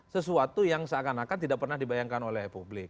sesuatu yang seakan akan tidak pernah dibayangkan oleh publik